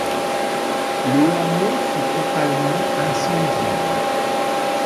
Le hameau fut totalement incendié.